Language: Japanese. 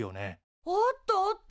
あったあった。